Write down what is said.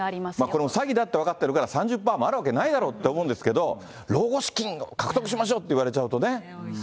これも詐欺だって分かってるから、３０パーもあるわけないだろうと思うんですけど、老後資金を獲得しましょうっていわれちゃうとね。